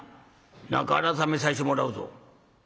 中あらためさせてもらうぞ。